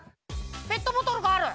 ペットボトルがある。